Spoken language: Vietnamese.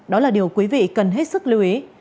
đó là điều quý vị cần hết sức lưu ý